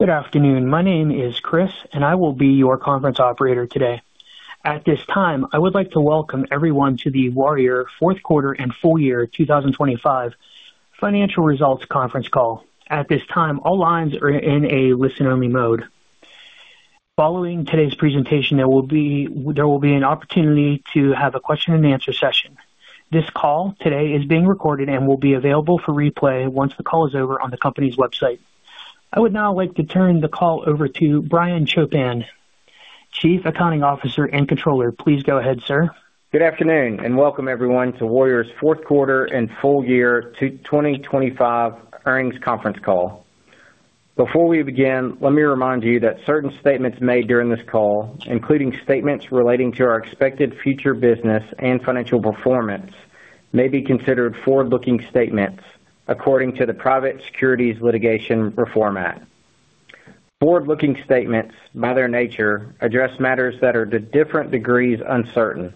Good afternoon. My name is Chris, and I will be your conference operator today. At this time, I would like to welcome everyone to the Warrior fourth quarter and full year 2025 financial results conference call. At this time, all lines are in a listen-only mode. Following today's presentation, there will be an opportunity to have a question-and-answer session. This call today is being recorded and will be available for replay once the call is over on the company's website. I would now like to turn the call over to Brian Chopin, Chief Accounting Officer and Controller. Please go ahead, sir. Good afternoon, and welcome everyone to Warrior's fourth quarter and full year 2025 earnings conference call. Before we begin, let me remind you that certain statements made during this call, including statements relating to our expected future business and financial performance, may be considered forward-looking statements according to the Private Securities Litigation Reform Act. Forward-looking statements, by their nature, address matters that are to different degrees uncertain.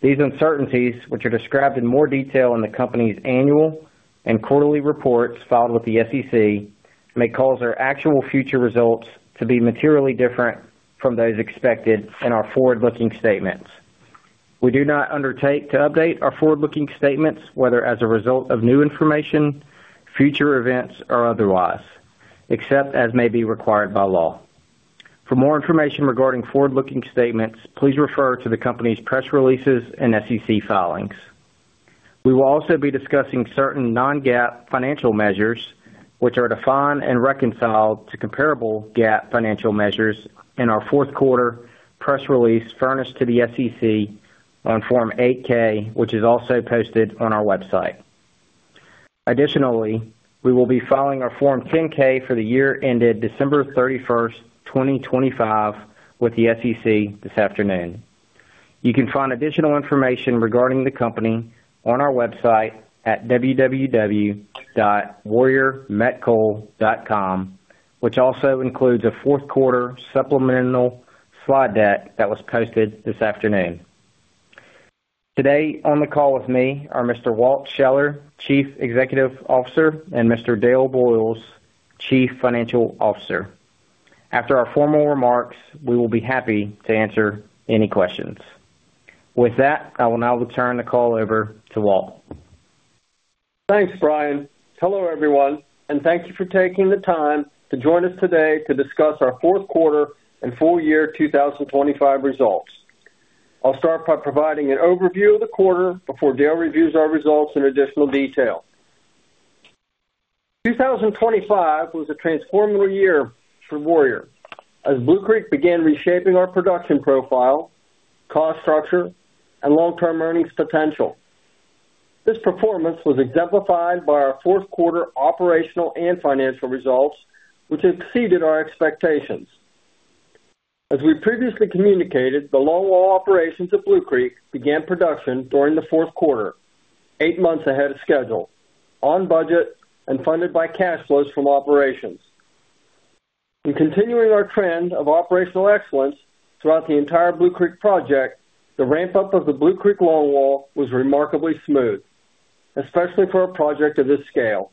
These uncertainties, which are described in more detail in the company's annual and quarterly reports filed with the SEC, may cause our actual future results to be materially different from those expected in our forward-looking statements. We do not undertake to update our forward-looking statements, whether as a result of new information, future events, or otherwise, except as may be required by law. For more information regarding forward-looking statements, please refer to the company's press releases and SEC filings. We will also be discussing certain non-GAAP financial measures, which are defined and reconciled to comparable GAAP financial measures in our fourth quarter press release furnished to the SEC on Form 8-K, which is also posted on our website. Additionally, we will be filing our Form 10-K for the year ended December 31, 2025, with the SEC this afternoon. You can find additional information regarding the company on our website at www.warriormetcoal.com, which also includes a fourth quarter supplemental slide deck that was posted this afternoon. Today, on the call with me are Mr. Walt Scheller, Chief Executive Officer, and Mr. Dale Boyles, Chief Financial Officer. After our formal remarks, we will be happy to answer any questions. With that, I will now return the call over to Walt. Thanks, Brian. Hello, everyone, and thank you for taking the time to join us today to discuss our fourth quarter and full year 2025 results. I'll start by providing an overview of the quarter before Dale reviews our results in additional detail. 2025 was a transformative year for Warrior, as Blue Creek began reshaping our production profile, cost structure, and long-term earnings potential. This performance was exemplified by our fourth quarter operational and financial results, which exceeded our expectations. As we previously communicated, the longwall operations at Blue Creek began production during the fourth quarter, 8 months ahead of schedule, on budget and funded by cash flows from operations. In continuing our trend of operational excellence throughout the entire Blue Creek project, the ramp-up of the Blue Creek longwall was remarkably smooth, especially for a project of this scale,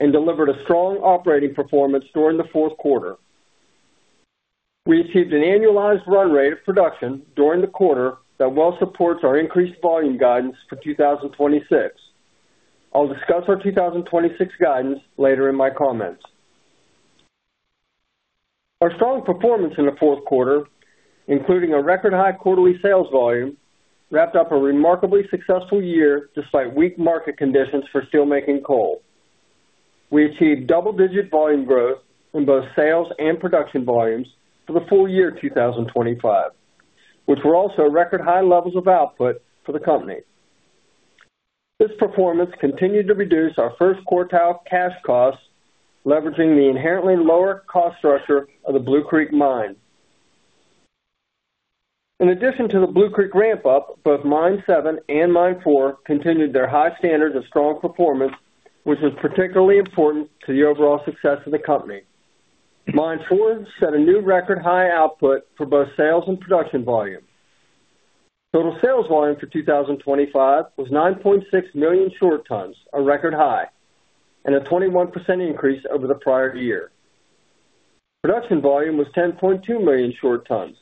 and delivered a strong operating performance during the fourth quarter. We achieved an annualized run rate of production during the quarter that well supports our increased volume guidance for 2026. I'll discuss our 2026 guidance later in my comments. Our strong performance in the fourth quarter, including a record high quarterly sales volume, wrapped up a remarkably successful year despite weak market conditions for steelmaking coal. We achieved double-digit volume growth in both sales and production volumes for the full year 2025, which were also record high levels of output for the company. This performance continued to reduce our first quartile cash costs, leveraging the inherently lower cost structure of the Blue Creek mine. In addition to the Blue Creek ramp-up, both Mine No. 7 and Mine No. 4 continued their high standards of strong performance, which is particularly important to the overall success of the company. Mine No. 4 set a new record high output for both sales and production volume. Total sales volume for 2025 was 9.6 million short tons, a record high and a 21% increase over the prior year. Production volume was 10.2 million short tons,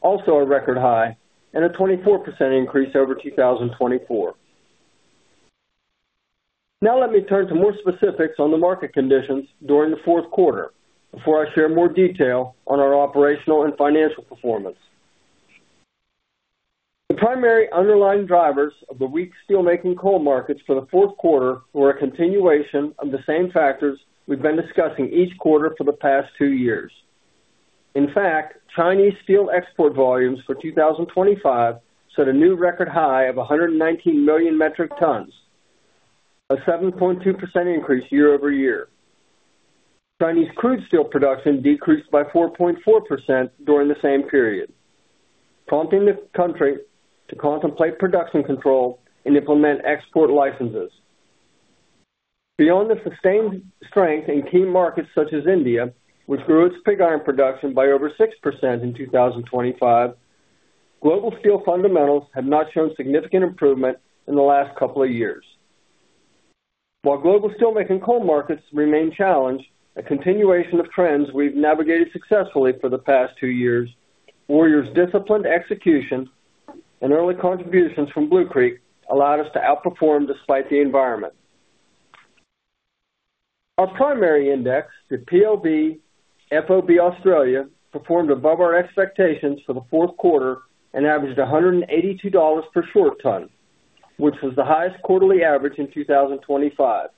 also a record high and a 24% increase over 2024. Now let me turn to more specifics on the market conditions during the fourth quarter before I share more detail on our operational and financial performance. The primary underlying drivers of the weak steelmaking coal markets for the fourth quarter were a continuation of the same factors we've been discussing each quarter for the past two years. In fact, Chinese steel export volumes for 2025 set a new record high of 119 million metric tons, a 7.2% increase year-over-year. Chinese crude steel production decreased by 4.4% during the same period, prompting the country to contemplate production control and implement export licenses. Beyond the sustained strength in key markets such as India, which grew its pig iron production by over 6% in 2025, global steel fundamentals have not shown significant improvement in the last couple of years. While global steelmaking coal markets remain challenged, a continuation of trends we've navigated successfully for the past 2 years, Warrior's disciplined execution and early contributions from Blue Creek allowed us to outperform despite the environment. Our primary index, the PLV FOB Australia, performed above our expectations for the fourth quarter and averaged $182 per short ton, which was the highest quarterly average in 2025,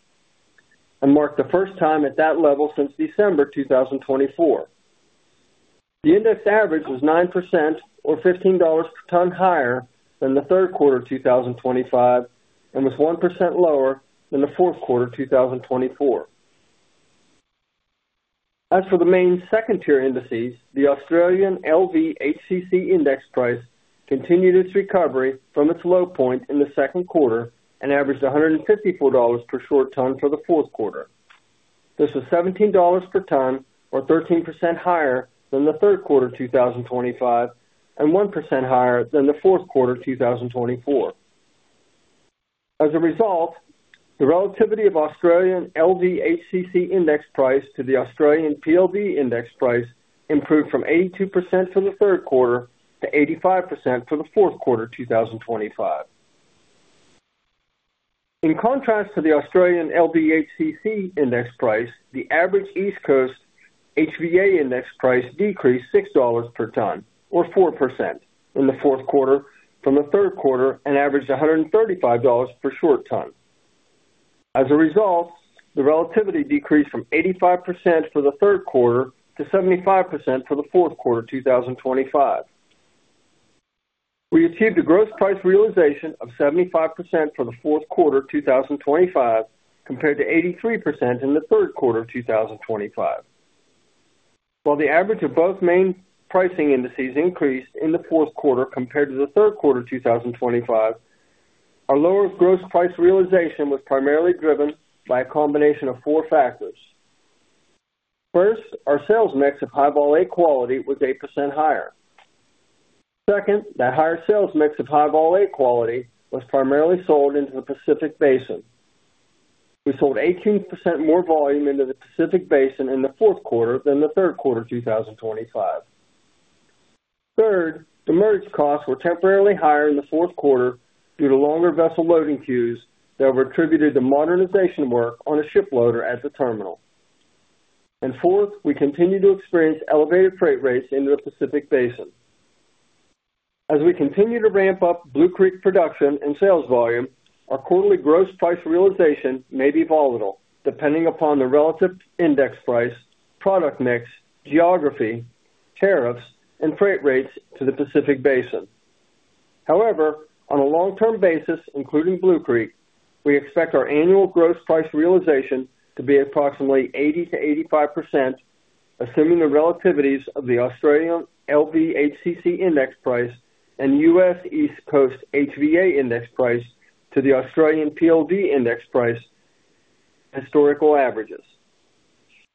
and marked the first time at that level since December 2024. The index average was 9% or $15 per ton higher than the third quarter of 2025, and was 1% lower than the fourth quarter of 2024. As for the main second tier indices, the Australian LVHCC index price continued its recovery from its low point in the second quarter and averaged $154 per short ton for the fourth quarter. This was $17 per ton, or 13% higher than the third quarter of 2025, and 1% higher than the fourth quarter of 2024. As a result, the relativity of Australian LVHCC index price to the Australian PLV index price improved from 82% for the third quarter to 85% for the fourth quarter of 2025. In contrast to the Australian LVHCC index price, the average East Coast HVA index price decreased $6 per ton, or 4%, in the fourth quarter from the third quarter and averaged $135 per short ton. As a result, the relativity decreased from 85% for the third quarter to 75% for the fourth quarter of 2025. We achieved a gross price realization of 75% for the fourth quarter of 2025, compared to 83% in the third quarter of 2025. While the average of both main pricing indices increased in the fourth quarter compared to the third quarter of 2025, our lower gross price realization was primarily driven by a combination of four factors. First, our sales mix of High Vol A quality was 8% higher. Second, that higher sales mix of High Vol A quality was primarily sold into the Pacific Basin. We sold 18% more volume into the Pacific Basin in the fourth quarter than the third quarter of 2025. Third, demurrage costs were temporarily higher in the fourth quarter due to longer vessel loading queues that were attributed to modernization work on a ship loader at the terminal. Fourth, we continued to experience elevated freight rates into the Pacific Basin. As we continue to ramp up Blue Creek production and sales volume, our quarterly gross price realization may be volatile, depending upon the relative index price, product mix, geography, tariffs, and freight rates to the Pacific Basin. However, on a long-term basis, including Blue Creek, we expect our annual gross price realization to be approximately 80%-85%, assuming the relativities of the Australian LVHCC index price and US East Coast HVA index price to the Australian PLV index price historical averages.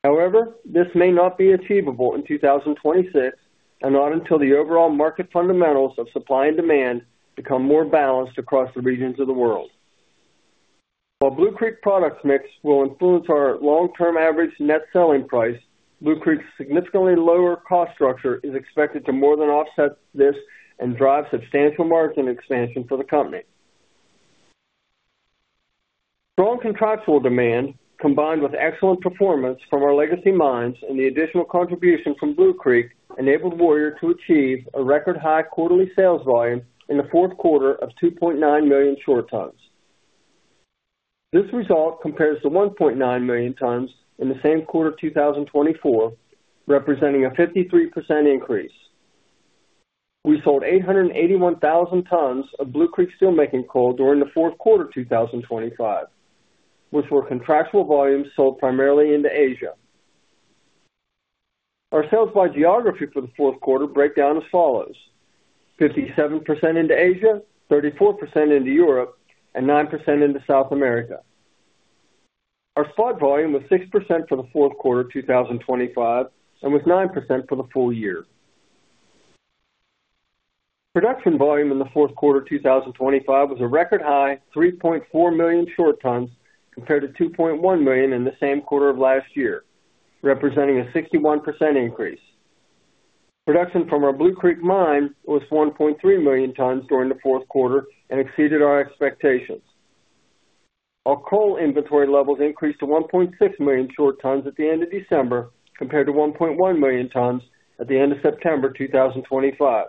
However, this may not be achievable in 2026, and not until the overall market fundamentals of supply and demand become more balanced across the regions of the world. While Blue Creek products mix will influence our long-term average net selling price, Blue Creek's significantly lower cost structure is expected to more than offset this and drive substantial margin expansion for the company. Strong contractual demand, combined with excellent performance from our legacy mines and the additional contribution from Blue Creek, enabled Warrior to achieve a record high quarterly sales volume in the fourth quarter of 2.9 million short tons. This result compares to 1.9 million tons in the same quarter of 2024, representing a 53% increase. We sold 881,000 tons of Blue Creek steelmaking coal during the fourth quarter of 2025, which were contractual volumes sold primarily into Asia. Our sales by geography for the fourth quarter break down as follows: 57% into Asia, 34% into Europe, and 9% into South America. Our spot volume was 6% for the fourth quarter of 2025, and was 9% for the full year. Production volume in the fourth quarter of 2025 was a record high 3.4 million short tons, compared to 2.1 million in the same quarter of last year, representing a 61% increase. Production from our Blue Creek mine was 1.3 million tons during the fourth quarter and exceeded our expectations. Our coal inventory levels increased to 1.6 million short tons at the end of December, compared to 1.1 million tons at the end of September 2025.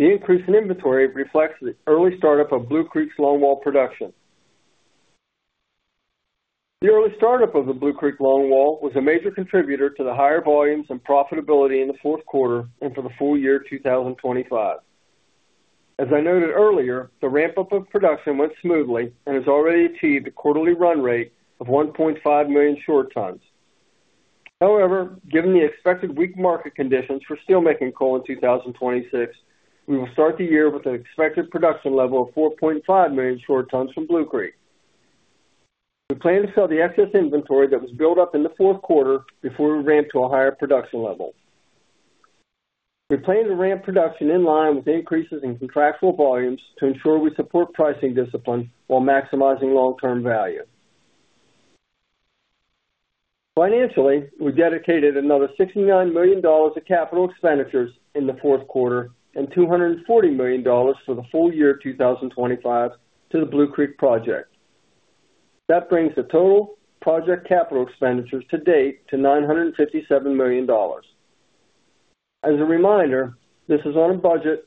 The increase in inventory reflects the early start-up of Blue Creek's Longwall production. The early start-up of the Blue Creek longwall was a major contributor to the higher volumes and profitability in the fourth quarter and for the full year of 2025. As I noted earlier, the ramp-up of production went smoothly and has already achieved a quarterly run rate of 1.5 million short tons. However, given the expected weak market conditions for steelmaking coal in 2026, we will start the year with an expected production level of 4.5 million short tons from Blue Creek. We plan to sell the excess inventory that was built up in the fourth quarter before we ramp to a higher production level. We plan to ramp production in line with increases in contractual volumes to ensure we support pricing discipline while maximizing long-term value. Financially, we dedicated another $69 million of capital expenditures in the fourth quarter and $240 million for the full year of 2025 to the Blue Creek project. That brings the total project capital expenditures to date to $957 million. As a reminder, this is on a budget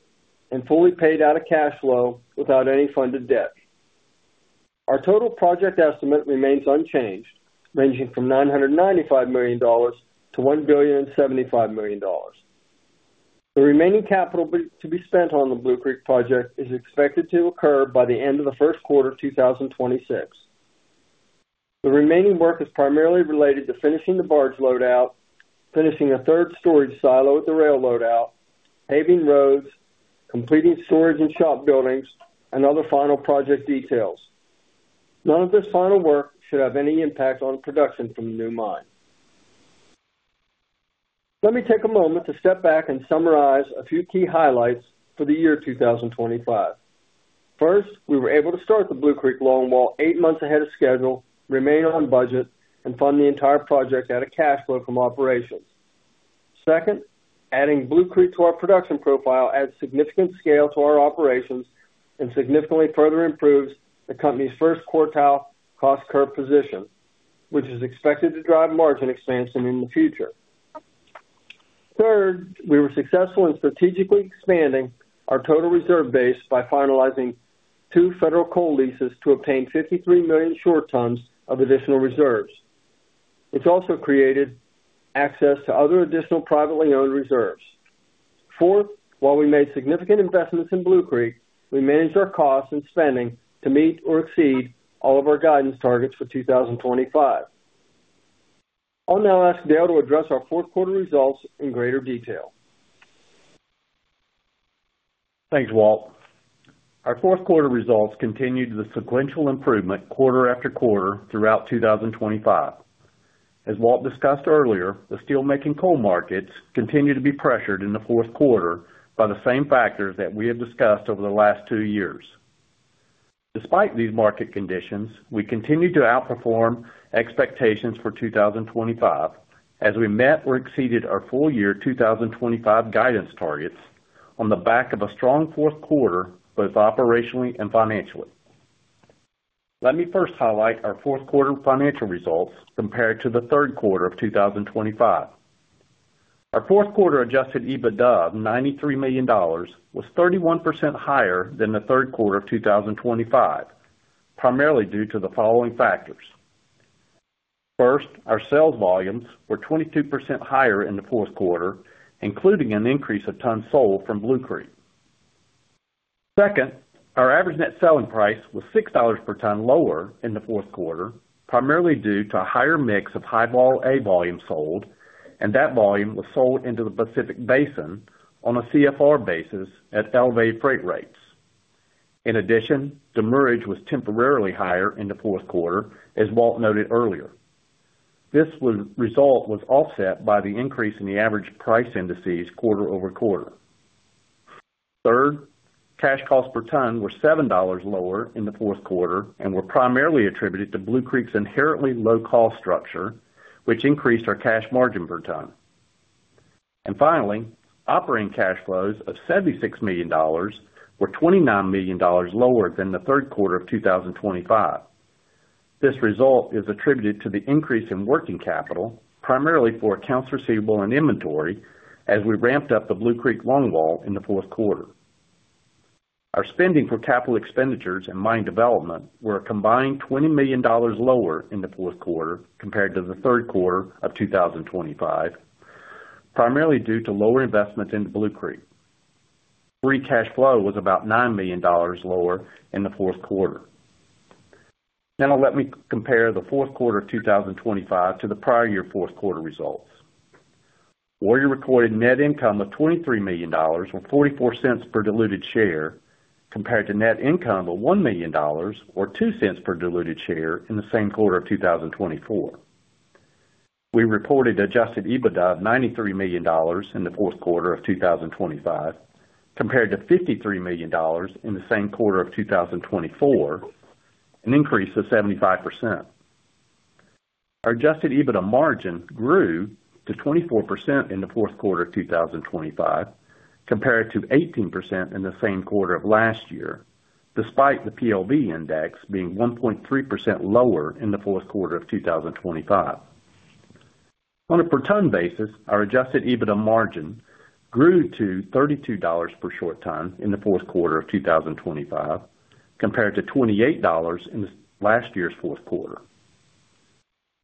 and fully paid out of cash flow without any funded debt. Our total project estimate remains unchanged, ranging from $995 million to $1.075 billion. The remaining capital to be spent on the Blue Creek project is expected to occur by the end of the first quarter of 2026. The remaining work is primarily related to finishing the barge loadout, finishing a third storage silo at the rail loadout, paving roads, completing storage and shop buildings, and other final project details. None of this final work should have any impact on production from the new mine. Let me take a moment to step back and summarize a few key highlights for the year 2025. First, we were able to start the Blue Creek longwall eight months ahead of schedule, remain on budget, and fund the entire project out of cash flow from operations. Second, adding Blue Creek to our production profile adds significant scale to our operations and significantly further improves the company's first quartile cost curve position, which is expected to drive margin expansion in the future. Third, we were successful in strategically expanding our total reserve base by finalizing two federal coal leases to obtain 53 million short tons of additional reserves. It's also created access to other additional privately owned reserves. Fourth, while we made significant investments in Blue Creek, we managed our costs and spending to meet or exceed all of our guidance targets for 2025. I'll now ask Dale to address our fourth quarter results in greater detail. Thanks, Walt. Our fourth quarter results continued the sequential improvement quarter after quarter throughout 2025. As Walt discussed earlier, the steelmaking coal markets continued to be pressured in the fourth quarter by the same factors that we have discussed over the last two years. Despite these market conditions, we continued to outperform expectations for 2025, as we met or exceeded our full year 2025 guidance targets on the back of a strong fourth quarter, both operationally and financially. Let me first highlight our fourth quarter financial results compared to the third quarter of 2025. Our fourth quarter Adjusted EBITDA of $93 million was 31% higher than the third quarter of 2025, primarily due to the following factors: First, our sales volumes were 22% higher in the fourth quarter, including an increase of tons sold from Blue Creek. Second, our average net selling price was $6 per ton lower in the fourth quarter, primarily due to a higher mix of High Vol A volume sold, and that volume was sold into the Pacific Basin on a CFR basis at elevated freight rates. In addition, the margin was temporarily higher in the fourth quarter, as Walt noted earlier. This result was offset by the increase in the average price indices quarter-over-quarter. Third, cash costs per ton were $7 lower in the fourth quarter and were primarily attributed to Blue Creek's inherently low cost structure, which increased our cash margin per ton. Finally, operating cash flows of $76 million were $29 million lower than the third quarter of 2025. This result is attributed to the increase in working capital, primarily for accounts receivable and inventory, as we ramped up the Blue Creek longwall in the fourth quarter. Our spending for capital expenditures and mine development were a combined $20 million lower in the fourth quarter compared to the third quarter of 2025, primarily due to lower investments into Blue Creek. Free cash flow was about $9 million lower in the fourth quarter. Now, let me compare the fourth quarter of 2025 to the prior year fourth quarter results. Warrior recorded net income of $23 million, or $0.44 per diluted share, compared to net income of $1 million or $0.02 per diluted share in the same quarter of 2024. We reported adjusted EBITDA of $93 million in the fourth quarter of 2025, compared to $53 million in the same quarter of 2024, an increase of 75%. Our adjusted EBITDA margin grew to 24% in the fourth quarter of 2025, compared to 18% in the same quarter of last year, despite the PLV index being 1.3% lower in the fourth quarter of 2025. On a per ton basis, our adjusted EBITDA margin grew to $32 per short ton in the fourth quarter of 2025, compared to $28 in last year's fourth quarter.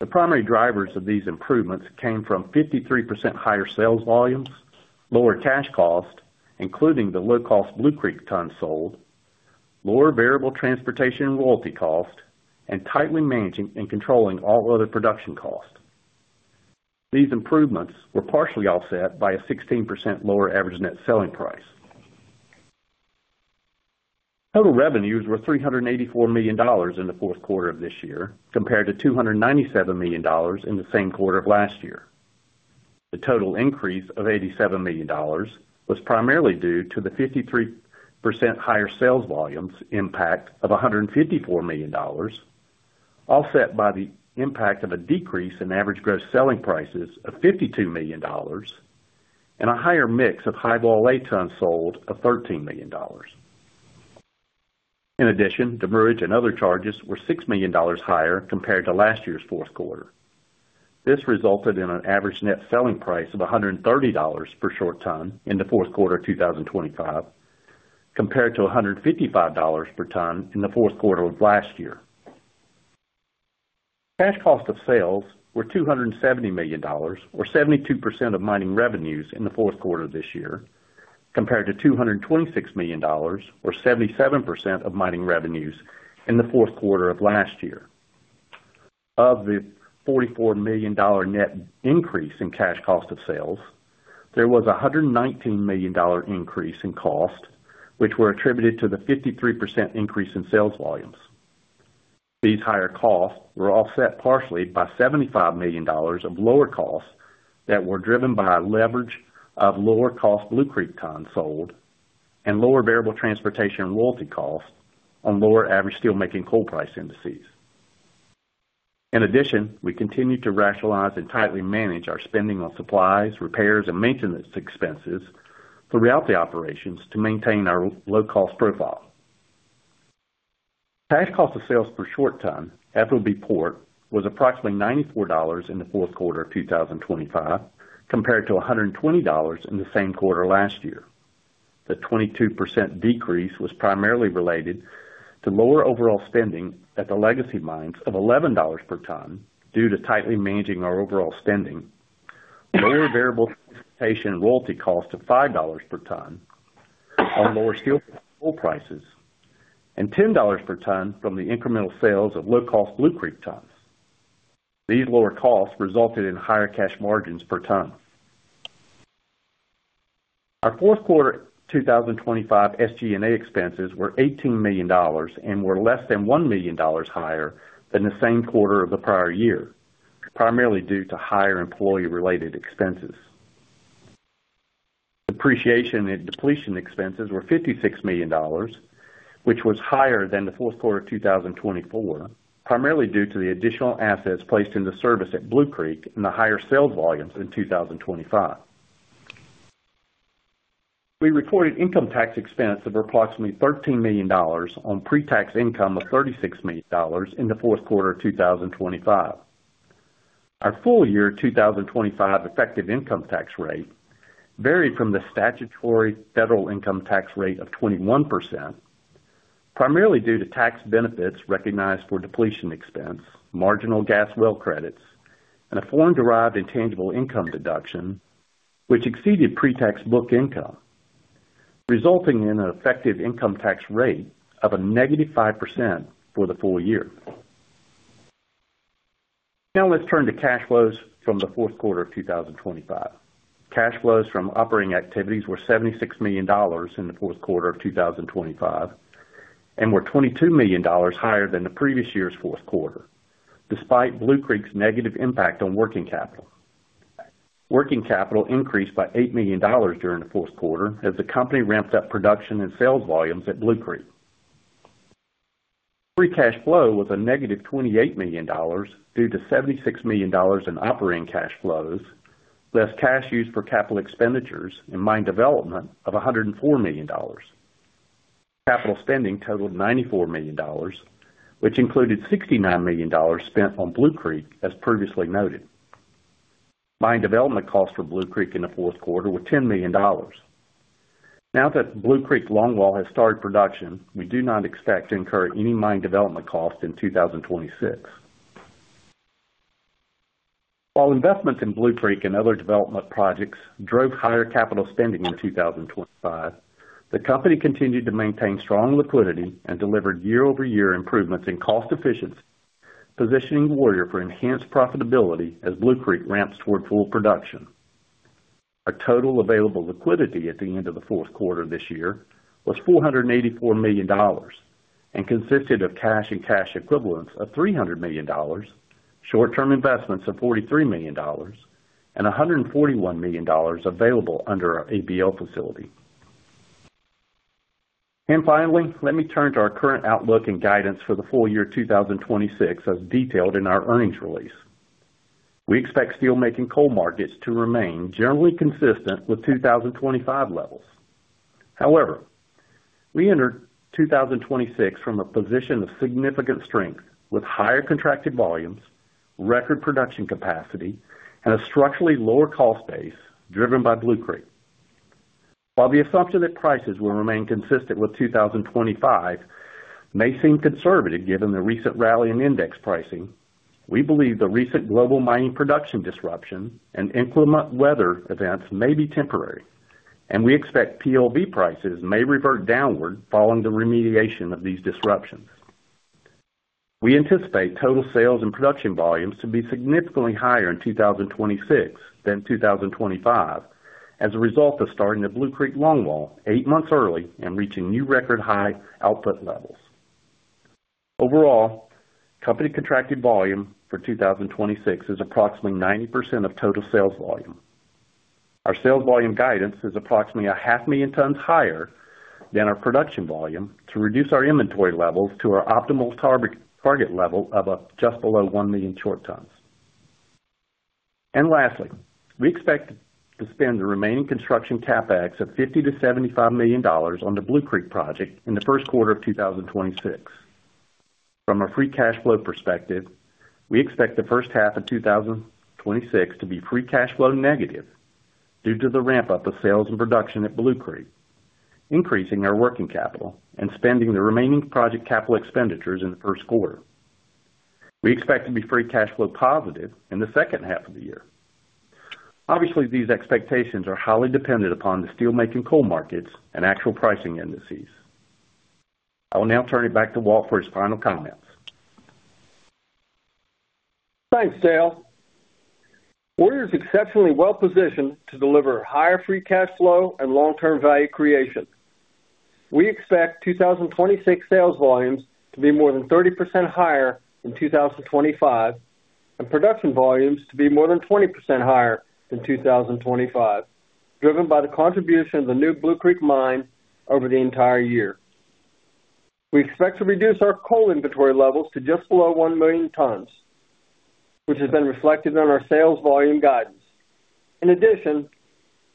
The primary drivers of these improvements came from 53% higher sales volumes, lower cash costs, including the low-cost Blue Creek tons sold, lower variable transportation and royalty costs, and tightly managing and controlling all other production costs. These improvements were partially offset by a 16% lower average net selling price. Total revenues were $384 million in the fourth quarter of this year, compared to $297 million in the same quarter of last year. The total increase of $87 million was primarily due to the 53% higher sales volumes impact of $154 million, offset by the impact of a decrease in average gross selling prices of $52 million and a higher mix of High Vol A ton sold of $13 million. In addition, demurrage and other charges were $6 million higher compared to last year's fourth quarter. This resulted in an average net selling price of $130 per short ton in the fourth quarter of 2025, compared to $155 per ton in the fourth quarter of last year. Cash cost of sales were $270 million, or 72% of mining revenues in the fourth quarter of this year, compared to $226 million, or 77% of mining revenues in the fourth quarter of last year. Of the $44 million net increase in cash cost of sales, there was a $119 million increase in cost, which were attributed to the 53% increase in sales volumes. These higher costs were offset partially by $75 million of lower costs that were driven by leverage of lower cost Blue Creek tons sold and lower variable transportation royalty costs on lower average steelmaking coal price indices. In addition, we continued to rationalize and tightly manage our spending on supplies, repairs, and maintenance expenses throughout the operations to maintain our low-cost profile. Cash cost of sales per short ton at FOB port was approximately $94 in the fourth quarter of 2025, compared to $120 in the same quarter last year. The 22% decrease was primarily related to lower overall spending at the legacy mines of $11 per ton due to tightly managing our overall spending. Lower variable transportation and royalty costs of $5 per ton on lower steel coal prices, and $10 per ton from the incremental sales of low-cost Blue Creek tons. These lower costs resulted in higher cash margins per ton. Our fourth quarter 2025 SG&A expenses were $18 million and were less than $1 million higher than the same quarter of the prior year, primarily due to higher employee-related expenses. Depreciation and depletion expenses were $56 million, which was higher than the fourth quarter of 2024, primarily due to the additional assets placed in the service at Blue Creek and the higher sales volumes in 2025. We recorded income tax expense of approximately $13 million on pre-tax income of $36 million in the fourth quarter of 2025. Our full year 2025 effective income tax rate varied from the statutory federal income tax rate of 21%, primarily due to tax benefits recognized for depletion expense, marginal gas well credits, and a foreign-derived intangible income deduction, which exceeded pre-tax book income, resulting in an effective income tax rate of -5% for the full year. Now, let's turn to cash flows from the fourth quarter of 2025. Cash flows from operating activities were $76 million in the fourth quarter of 2025, and were $22 million higher than the previous year's fourth quarter, despite Blue Creek's negative impact on working capital. Working capital increased by $8 million during the fourth quarter as the company ramped up production and sales volumes at Blue Creek. Free cash flow was a negative $28 million, due to $76 million in operating cash flows, less cash used for capital expenditures and mine development of $104 million. Capital spending totaled $94 million, which included $69 million spent on Blue Creek, as previously noted. Mine development costs for Blue Creek in the fourth quarter were $10 million. Now that Blue Creek longwall has started production, we do not expect to incur any mine development costs in 2026. While investments in Blue Creek and other development projects drove higher capital spending in 2025, the company continued to maintain strong liquidity and delivered year-over-year improvements in cost efficiency, positioning Warrior for enhanced profitability as Blue Creek ramps toward full production. Our total available liquidity at the end of the fourth quarter this year was $484 million and consisted of cash and cash equivalents of $300 million, short-term investments of $43 million, and $141 million available under our ABL Facility. Finally, let me turn to our current outlook and guidance for the full year 2026, as detailed in our earnings release. We expect steelmaking coal markets to remain generally consistent with 2025 levels. However, we entered 2026 from a position of significant strength, with higher contracted volumes, record production capacity, and a structurally lower cost base driven by Blue Creek. While the assumption that prices will remain consistent with 2025 may seem conservative, given the recent rally in index pricing, we believe the recent global mining production disruption and inclement weather events may be temporary, and we expect PLV prices may revert downward following the remediation of these disruptions. We anticipate total sales and production volumes to be significantly higher in 2026 than 2025, as a result of starting the Blue Creek longwall 8 months early and reaching new record high output levels. Overall, company contracted volume for 2026 is approximately 90% of total sales volume. Our sales volume guidance is approximately 500,000 tons higher than our production volume to reduce our inventory levels to our optimal target, target level of just below 1 million short tons. And lastly, we expect to spend the remaining construction CapEx of $50-$75 million on the Blue Creek project in the first quarter of 2026. From a free cash flow perspective, we expect the first half of 2026 to be free cash flow negative due to the ramp up of sales and production at Blue Creek, increasing our working capital and spending the remaining project capital expenditures in the first quarter. We expect to be free cash flow positive in the second half of the year. Obviously, these expectations are highly dependent upon the steelmaking coal markets and actual pricing indices. I will now turn it back to Walt for his final comments. Thanks, Dale. Warrior is exceptionally well-positioned to deliver higher free cash flow and long-term value creation. We expect 2026 sales volumes to be more than 30% higher than 2025, and production volumes to be more than 20% higher than 2025, driven by the contribution of the new Blue Creek mine over the entire year. We expect to reduce our coal inventory levels to just below 1 million tons, which has been reflected on our sales volume guidance. In addition,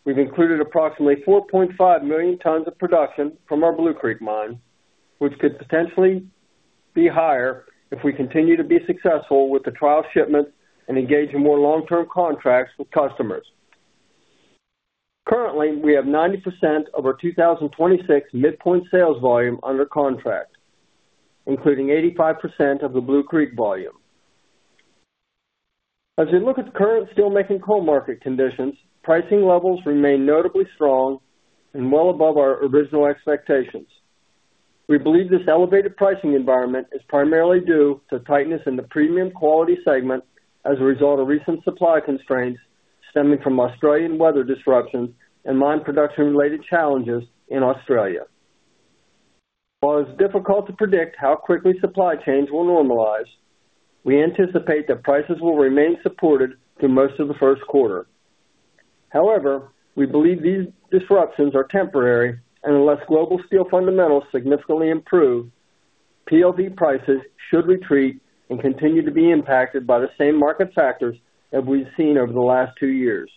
we've included approximately 4.5 million tons of production from our Blue Creek mine, which could potentially be higher if we continue to be successful with the trial shipment and engage in more long-term contracts with customers. Currently, we have 90% of our 2026 midpoint sales volume under contract, including 85% of the Blue Creek volume. As we look at the current steelmaking coal market conditions, pricing levels remain notably strong and well above our original expectations. We believe this elevated pricing environment is primarily due to tightness in the premium quality segment as a result of recent supply constraints stemming from Australian weather disruptions and mine production-related challenges in Australia. While it's difficult to predict how quickly supply chains will normalize, we anticipate that prices will remain supported through most of the first quarter. However, we believe these disruptions are temporary, and unless global steel fundamentals significantly improve, PLV prices should retreat and continue to be impacted by the same market factors that we've seen over the last two years.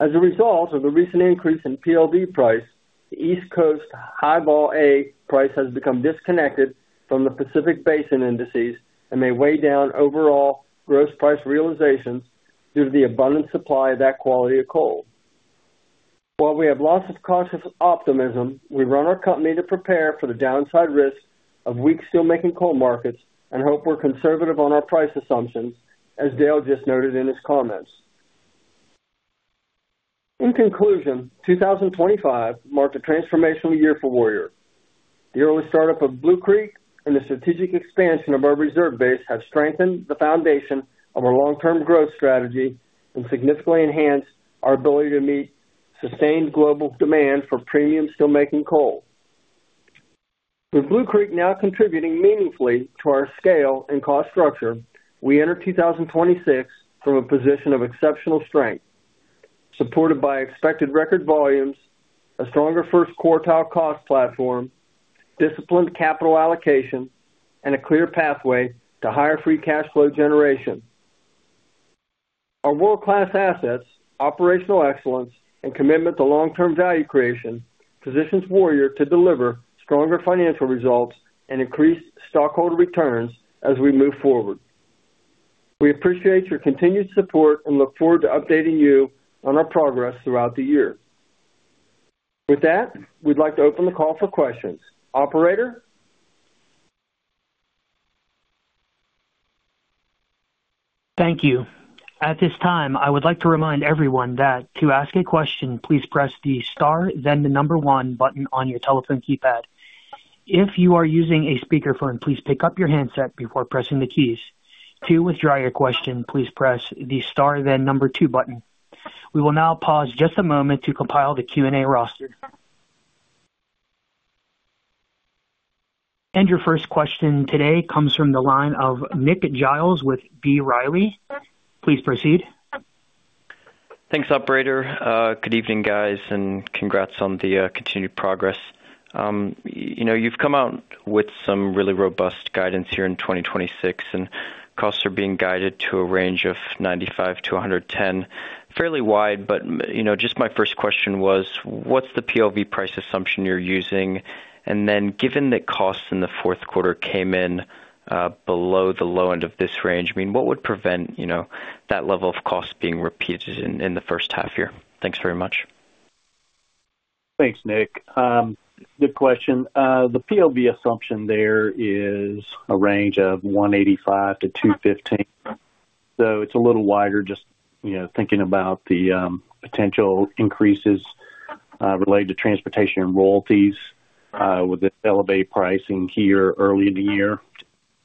As a result of the recent increase in PLV price, the East Coast High Vol A price has become disconnected from the Pacific Basin indices and may weigh down overall gross price realizations due to the abundant supply of that quality of coal. While we have lots of cautious optimism, we run our company to prepare for the downside risk of weak steelmaking coal markets and hope we're conservative on our price assumptions, as Dale just noted in his comments. In conclusion, 2025 marked a transformational year for Warrior. The early start-up of Blue Creek and the strategic expansion of our reserve base have strengthened the foundation of our long-term growth strategy and significantly enhanced our ability to meet sustained global demand for premium steelmaking coal. With Blue Creek now contributing meaningfully to our scale and cost structure, we enter 2026 from a position of exceptional strength, supported by expected record volumes, a stronger first quartile cost platform, disciplined capital allocation, and a clear pathway to higher free cash flow generation. Our world-class assets, operational excellence, and commitment to long-term value creation positions Warrior to deliver stronger financial results and increased stockholder returns as we move forward. We appreciate your continued support and look forward to updating you on our progress throughout the year. With that, we'd like to open the call for questions. Operator? Thank you. At this time, I would like to remind everyone that to ask a question, please press the star, then the number one button on your telephone keypad. If you are using a speakerphone, please pick up your handset before pressing the keys. To withdraw your question, please press the star, then number two button. We will now pause just a moment to compile the Q&A roster. Your first question today comes from the line of Nick Giles with B. Riley. Please proceed. Thanks, operator. Good evening, guys, and congrats on the continued progress. You know, you've come out with some really robust guidance here in 2026, and costs are being guided to a range of $95-$110. Fairly wide, but you know, just my first question was, what's the PLV price assumption you're using? And then, given that costs in the fourth quarter came in below the low end of this range, I mean, what would prevent you know, that level of costs being repeated in the first half year? Thanks very much. Thanks, Nick. Good question. The PLV assumption there is a range of $185-$215. So it's a little wider, just, you know, thinking about the potential increases related to transportation and royalties with the elevated pricing here early in the year.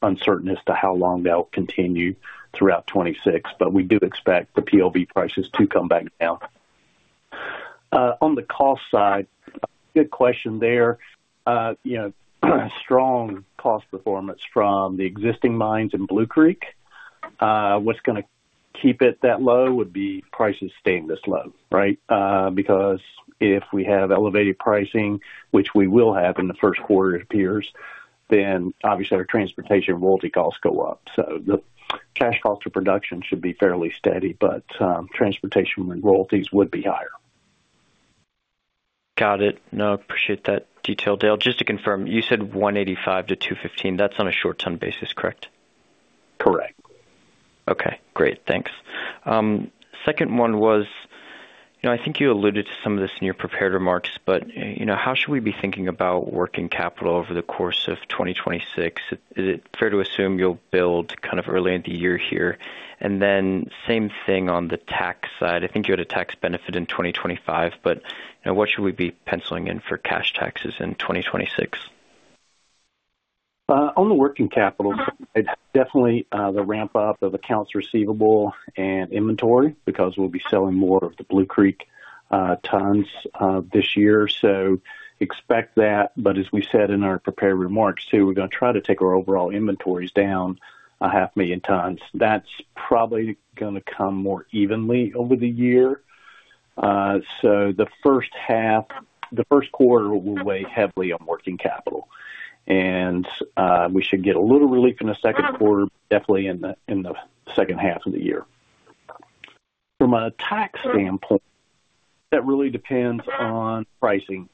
Uncertain as to how long they'll continue throughout 2026, but we do expect the PLV prices to come back down. On the cost side, good question there. You know, strong cost performance from the existing mines in Blue Creek. What's gonna keep it that low would be prices staying this low, right? Because if we have elevated pricing, which we will have in the first quarter, it appears, then obviously our transportation and royalty costs go up. So the cash cost of production should be fairly steady, but transportation and royalties would be higher. Got it. No, I appreciate that detail, Dale. Just to confirm, you said $185-$215. That's on a short ton basis, correct? Correct. Okay, great. Thanks. Second one was, you know, I think you alluded to some of this in your prepared remarks, but, you know, how should we be thinking about working capital over the course of 2026? Is it fair to assume you'll build kind of early in the year here? And then same thing on the tax side. I think you had a tax benefit in 2025, but, you know, what should we be penciling in for cash taxes in 2026? On the working capital, it's definitely the ramp up of accounts receivable and inventory, because we'll be selling more of the Blue Creek tons this year. So expect that, but as we said in our prepared remarks too, we're gonna try to take our overall inventories down 500,000 tons. That's probably gonna come more evenly over the year. So the first half, the first quarter will weigh heavily on working capital, and we should get a little relief in the second quarter, definitely in the second half of the year. From a tax standpoint, that really depends on pricing.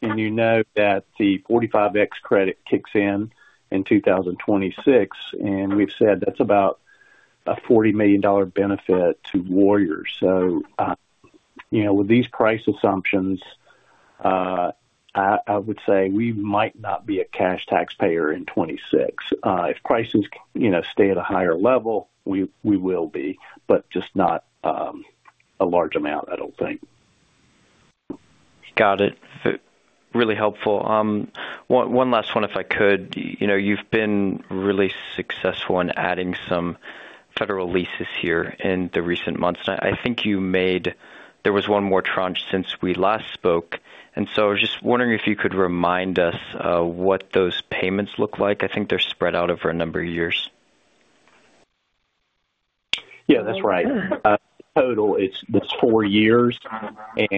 And you know that the 45X credit kicks in in 2026, and we've said that's about a $40 million benefit to Warrior. So, you know, with these price assumptions, I would say we might not be a cash taxpayer in 2026. If prices, you know, stay at a higher level, we will be, but just not a large amount, I don't think. Got it. Really helpful. One last one, if I could. You know, you've been really successful in adding some federal leases here in the recent months, and I think you made, there was one more tranche since we last spoke, and so I was just wondering if you could remind us what those payments look like. I think they're spread out over a number of years. Yeah, that's right. Total, it's four years,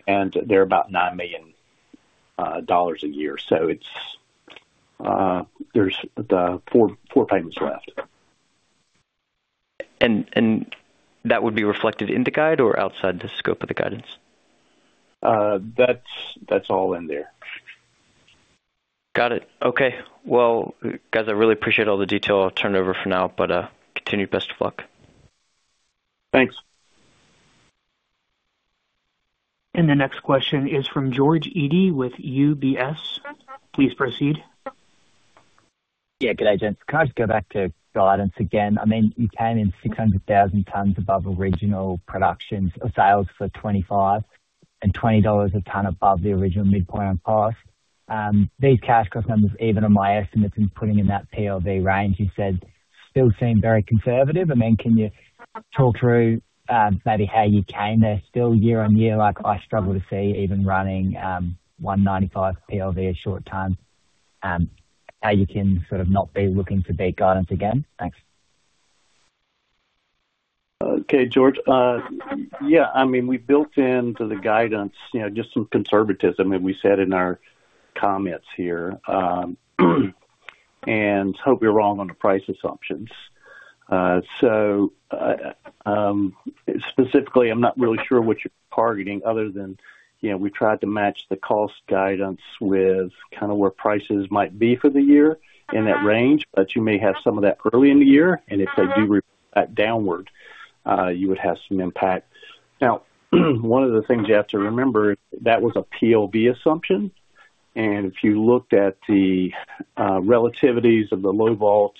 and they're about $9 million a year. So it's, there's the four payments left. And, that would be reflected in the guide or outside the scope of the guidance? That's all in there. Got it. Okay. Well, guys, I really appreciate all the detail. I'll turn it over for now, but, continued best of luck. Thanks. The next question is from George Eadie with UBS. Please proceed. Yeah, good day, gents. Can I just go back to guidance again? I mean, you came in 600,000 tons above original production and sales for 2025 and $20 a ton above the original midpoint on price. These cash flow numbers, even on my estimates, and putting in that PLV range, you said, still seem very conservative. I mean, can you talk through, maybe how you came there still year-on-year? Like, I struggle to see even running 195 PLV at short ton, how you can sort of not be looking for beat guidance again? Thanks. Okay, George. Yeah, I mean, we built into the guidance, you know, just some conservatism, and we said in our comments here, and hope we're wrong on the price assumptions. So, specifically, I'm not really sure what you're targeting other than, you know, we tried to match the cost guidance with kind of where prices might be for the year in that range, but you may have some of that early in the year, and if they do that downward, you would have some impact. Now, one of the things you have to remember, that was a PLV assumption, and if you looked at the, relativities of the Low-Vol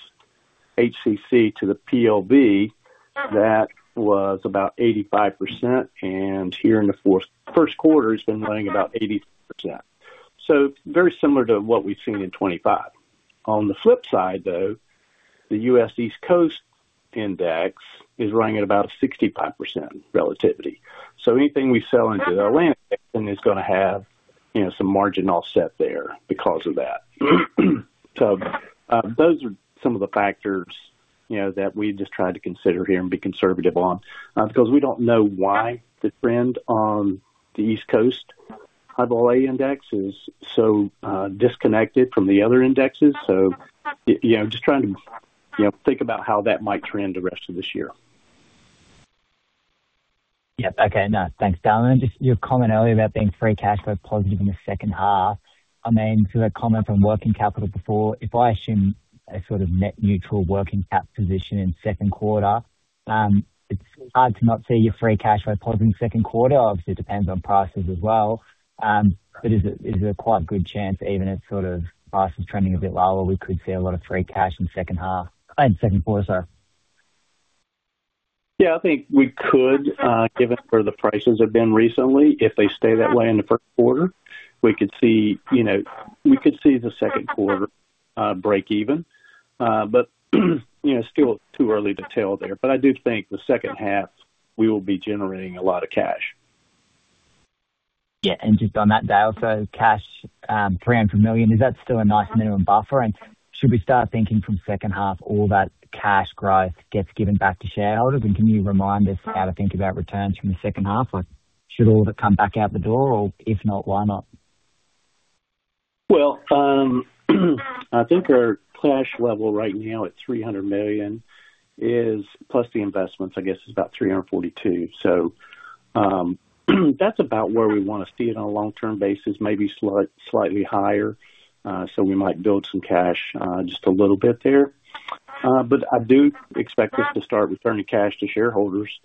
HCC to the PLV, that was about 85%, and here in the first quarter, it's been running about 83%. So very similar to what we've seen in 2025. On the flip side, though, the U.S. East Coast Index is running at about 65% relativity. So anything we sell into the Atlantic Basin is gonna have, you know, some margin offset there because of that. So, those are some of the factors, you know, that we just tried to consider here and be conservative on, because we don't know why the trend on the East Coast High Volatile Index is so, disconnected from the other indexes. So, you know, just trying to, you know, think about how that might trend the rest of this year. Yep. Okay. No, thanks, Dale. Just your comment earlier about being free cash flow positive in the second half. I mean, to a comment from working capital before, if I assume a sort of net neutral working cap position in second quarter, it's hard to not see your free cash flow positive in the second quarter. Obviously, it depends on prices as well. But is it, is it a quite good chance, even if sort of prices trending a bit lower, we could see a lot of free cash in second half, in second quarter, sorry? Yeah, I think we could, given where the prices have been recently, if they stay that way in the first quarter, we could see, you know, we could see the second quarter break even. But, you know, it's still too early to tell there. But I do think the second half, we will be generating a lot of cash. Yeah, and just on that, Dale, so cash $300 million, is that still a nice minimum buffer? And should we start thinking from second half, all that cash growth gets given back to shareholders? And can you remind us how to think about returns from the second half? Like, should all of it come back out the door, or if not, why not? Well, I think our cash level right now at $300 million is, plus the investments, I guess, is about $342 million. So, that's about where we want to see it on a long-term basis, maybe slightly higher. So we might build some cash, just a little bit there. But I do expect us to start returning cash to shareholders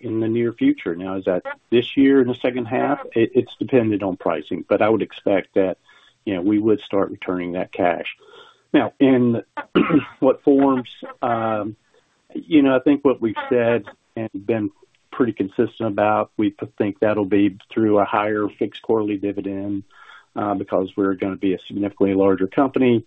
in the near future. Now, is that this year, in the second half? It's dependent on pricing, but I would expect that, you know, we would start returning that cash. Now, in what forms? You know, I think what we've said and been pretty consistent about, we think that'll be through a higher fixed quarterly dividend, because we're gonna be a significantly larger company,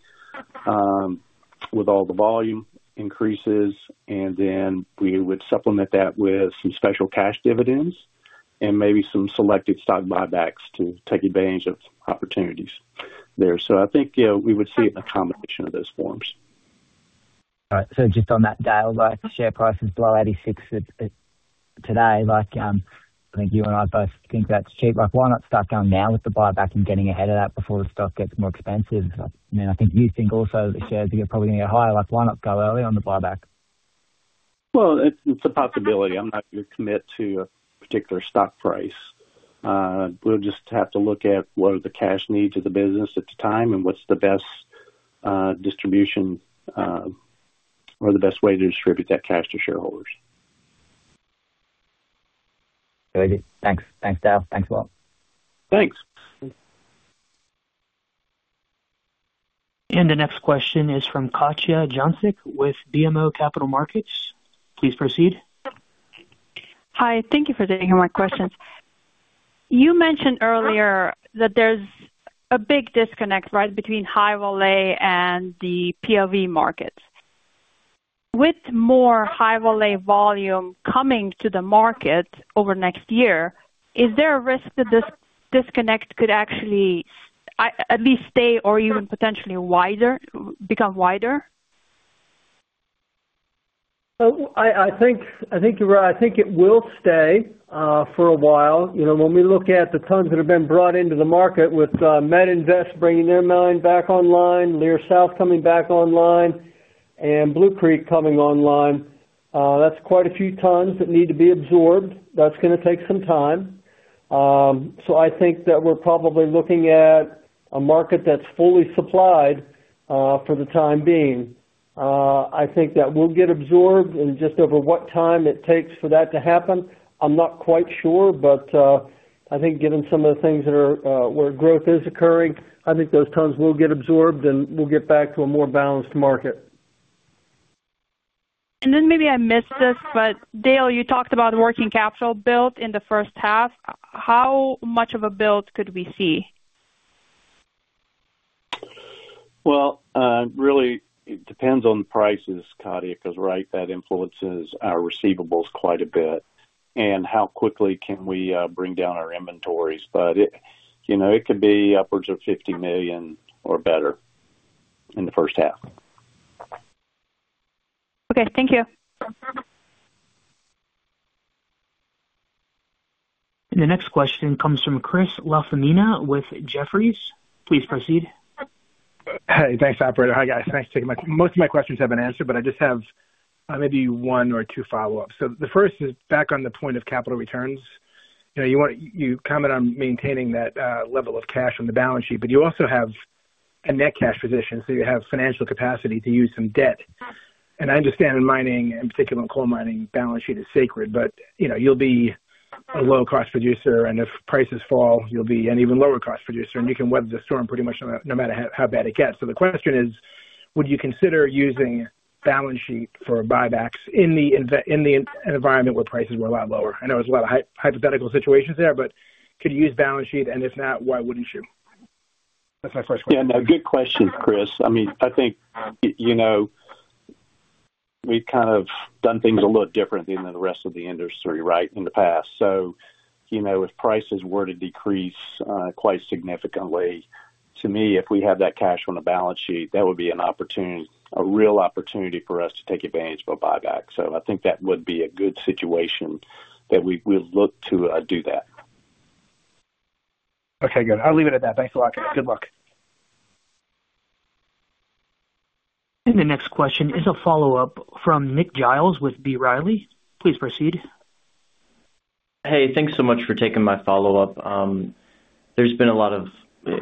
with all the volume increases, and then we would supplement that with some special cash dividends and maybe some selective stock buybacks to take advantage of opportunities there. So I think, yeah, we would see a combination of those forms. All right. So just on that, Dale, like, share price is below $86 today. Like, I think you and I both think that's cheap. Like, why not start going now with the buyback and getting ahead of that before the stock gets more expensive? I mean, I think you think also the shares are probably gonna get higher. Like, why not go early on the buyback? Well, it's a possibility. I'm not going to commit to a particular stock price. We'll just have to look at what are the cash needs of the business at the time and what's the best distribution or the best way to distribute that cash to shareholders. Very good. Thanks. Thanks, Dale. Thanks a lot. Thanks. The next question is from Katja Jancic with BMO Capital Markets. Please proceed. Hi, thank you for taking my questions. You mentioned earlier that there's a big disconnect, right, between high-vol and the low-vol markets. With more high-vol volume coming to the market over next year, is there a risk that this disconnect could actually, at least stay or even potentially wider, become wider? So I think you're right. I think it will stay for a while. You know, when we look at the tons that have been brought into the market with Metinvest bringing their mine back online, Leer South coming back online and Blue Creek coming online, that's quite a few tons that need to be absorbed. That's gonna take some time. So I think that we're probably looking at a market that's fully supplied for the time being. I think that will get absorbed, and just over what time it takes for that to happen, I'm not quite sure, but I think given some of the things that are where growth is occurring, I think those tons will get absorbed, and we'll get back to a more balanced market. And then maybe I missed this, but Dale, you talked about working capital build in the first half. How much of a build could we see? Well, really, it depends on the prices, Katja, because, right, that influences our receivables quite a bit, and how quickly can we bring down our inventories. But it, you know, it could be upwards of $50 million or better in the first half. Okay. Thank you. The next question comes from Chris LaFemina with Jefferies. Please proceed. Hey, thanks, operator. Hi, guys. Thanks. Most of my questions have been answered, but I just have maybe one or two follow-ups. So the first is back on the point of capital returns. You know, you want- you comment on maintaining that level of cash on the balance sheet, but you also have a net cash position, so you have financial capacity to use some debt. And I understand in mining, in particular, in coal mining, balance sheet is sacred, but, you know, you'll be a low-cost producer, and if prices fall, you'll be an even lower-cost producer, and you can weather the storm pretty much no matter how bad it gets. So the question is: would you consider using balance sheet for buybacks in the environment where prices were a lot lower? I know there's a lot of hypothetical situations there, but could you use balance sheet, and if not, why wouldn't you? That's my first question. Yeah, no, good question, Chris. I mean, I think, you know, we've kind of done things a little differently than the rest of the industry, right, in the past. So, you know, if prices were to decrease quite significantly, to me, if we had that cash on the balance sheet, that would be an opportunity, a real opportunity for us to take advantage of a buyback. So I think that would be a good situation that we, we'd look to do that. Okay, good. I'll leave it at that. Thanks a lot. Good luck. The next question is a follow-up from Nick Giles with B. Riley. Please proceed. Hey, thanks so much for taking my follow-up. There's been a lot of,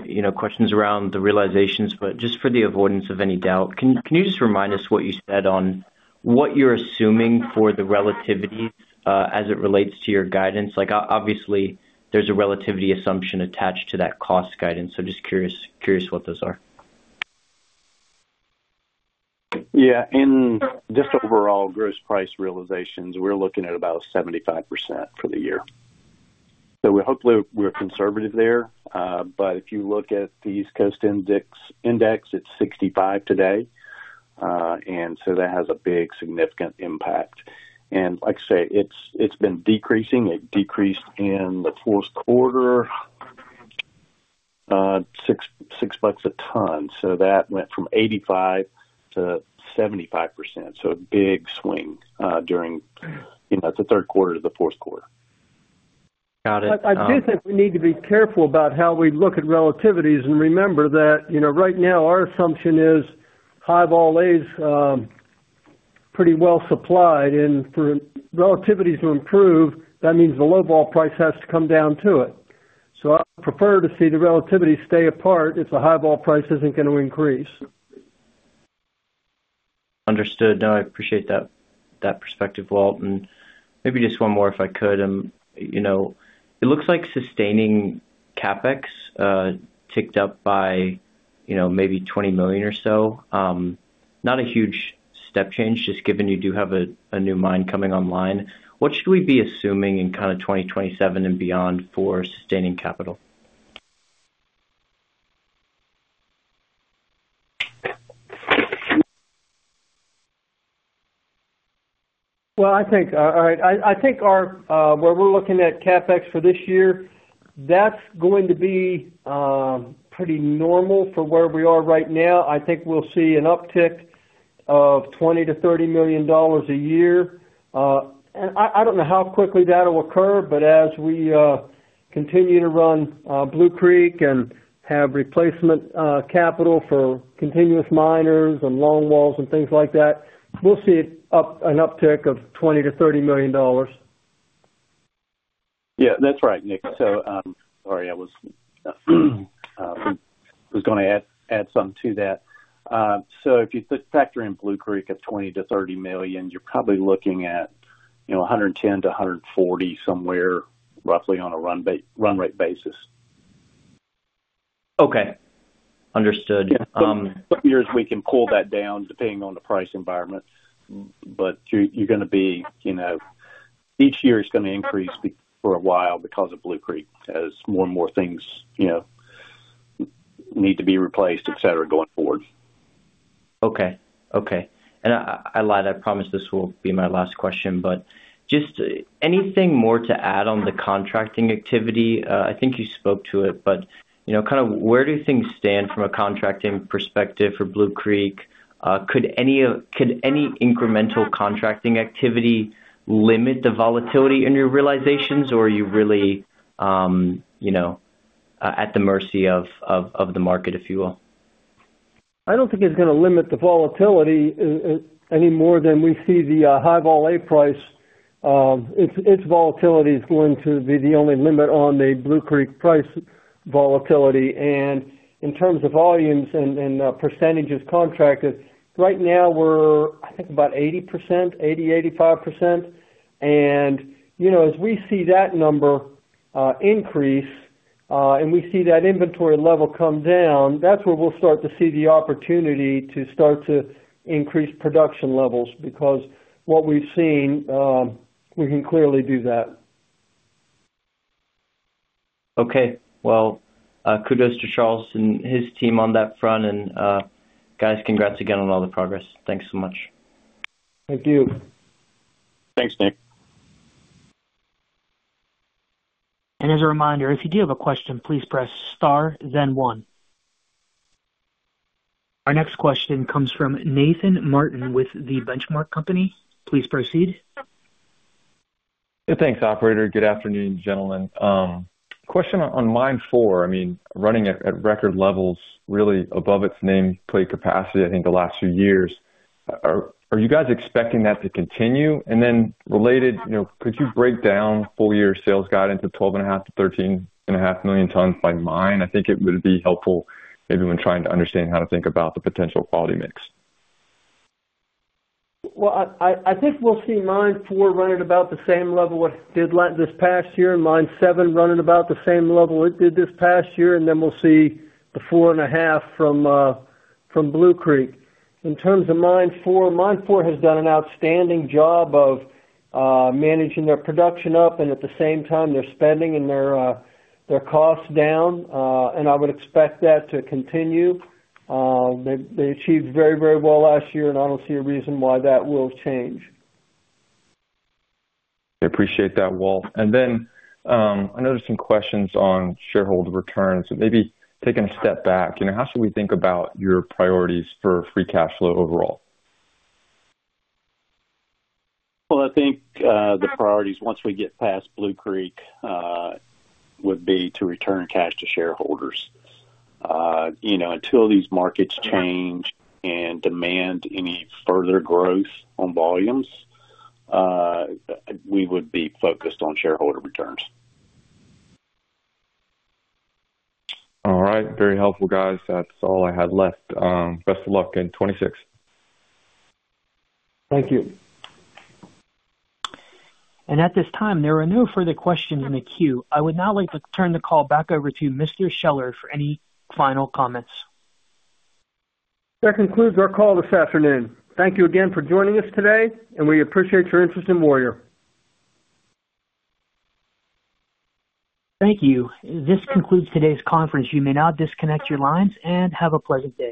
you know, questions around the realizations, but just for the avoidance of any doubt, can you just remind us what you said on what you're assuming for the relativity as it relates to your guidance? Like, obviously, there's a relativity assumption attached to that cost guidance, so just curious what those are. Yeah, in just overall gross price realizations, we're looking at about 75% for the year. So we hopefully we're conservative there, but if you look at the East Coast Index, it's 65 today. And so that has a big, significant impact. And like I say, it's been decreasing. It decreased in the fourth quarter, $6/ton, so that went from 85%-75%. So a big swing during, you know, the third quarter to the fourth quarter. Got it. I do think we need to be careful about how we look at relativities and remember that, you know, right now, our assumption is High-Vol A is pretty well supplied, and for relativities to improve, that means the Low-Vol price has to come down to it. So I prefer to see the relativity stay apart if the High-Vol price isn't gonna increase. Understood. No, I appreciate that, that perspective, Walt. And maybe just one more, if I could. You know, it looks like sustaining CapEx ticked up by, you know, maybe $20 million or so. Not a huge step change, just given you do have a, a new mine coming online. What should we be assuming in kind of 2027 and beyond for sustaining capital? Well, I think, all right, I think our, where we're looking at CapEx for this year, that's going to be, pretty normal for where we are right now. I think we'll see an uptick of $20 million-$30 million a year. And I don't know how quickly that'll occur, but as we continue to run Blue Creek and have replacement capital for continuous miners and longwalls and things like that, we'll see an uptick of $20 million-$30 million. Yeah, that's right, Nick. So, sorry, I was gonna add something to that. So if you put factor in Blue Creek at $20 million-$30 million, you're probably looking at, you know, $110-$140, somewhere roughly on a run rate basis. Okay. Understood. Some years we can pull that down, depending on the price environment, but you're gonna be, you know, each year is gonna increase for a while because of Blue Creek, as more and more things, you know, need to be replaced, et cetera, going forward. Okay. Okay. And I lied, I promise this will be my last question, but just anything more to add on the contracting activity? I think you spoke to it, but, you know, kind of where do things stand from a contracting perspective for Blue Creek? Could any incremental contracting activity limit the volatility in your realizations, or are you really, you know, at the mercy of the market, if you will? I don't think it's gonna limit the volatility any more than we see the High Vol A price. Its volatility is going to be the only limit on the Blue Creek price volatility. And in terms of volumes and percentages contracted, right now we're, I think, about 80%-85%. And, you know, as we see that number increase, and we see that inventory level come down, that's where we'll start to see the opportunity to start to increase production levels, because what we've seen, we can clearly do that. Okay. Well, kudos to Charles and his team on that front. And, guys, congrats again on all the progress. Thanks so much. Thank you. Thanks, Nick. As a reminder, if you do have a question, please press star then one. Our next question comes from Nathan Martin with The Benchmark Company. Please proceed. Yeah, thanks, operator. Good afternoon, gentlemen. Question on Mine No. 4, I mean, running at record levels, really above its nameplate capacity, I think, the last few years. Are you guys expecting that to continue? And then related, you know, could you break down full-year sales guidance of 12.5-13.5 million tons by mine? I think it would be helpful maybe when trying to understand how to think about the potential quality mix. Well, I think we'll see Mine 4 running about the same level it did like this past year, and Mine 7 running about the same level it did this past year, and then we'll see the 4.5 from Blue Creek. In terms of Mine 4, Mine 4 has done an outstanding job of managing their production up and at the same time, their spending and their costs down, and I would expect that to continue. They achieved very, very well last year, and I don't see a reason why that will change. I appreciate that, Walt. Then, I noticed some questions on shareholder returns. Maybe taking a step back, you know, how should we think about your priorities for free cash flow overall? Well, I think the priorities, once we get past Blue Creek, would be to return cash to shareholders. You know, until these markets change and demand any further growth on volumes, we would be focused on shareholder returns. All right. Very helpful, guys. That's all I had left. Best of luck in 2026. Thank you. At this time, there are no further questions in the queue. I would now like to turn the call back over to Mr. Scheller for any final comments. That concludes our call this afternoon. Thank you again for joining us today, and we appreciate your interest in Warrior. Thank you. This concludes today's conference. You may now disconnect your lines, and have a pleasant day.